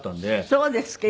そうですね。